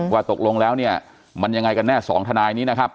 ว่าตกลงแล้วเนี่ยมันยังไงกันแน่สองทนายนี้นะครับ